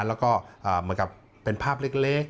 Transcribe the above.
แล้วก็เหมือนกับเป็นภาพเล็ก